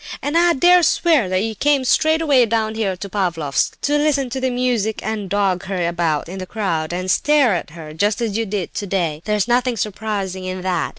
"And I dare swear that you came straight away down here to Pavlofsk to listen to the music and dog her about in the crowd, and stare at her, just as you did today. There's nothing surprising in that!